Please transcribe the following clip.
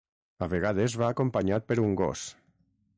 A vegades va acompanyat per un gos.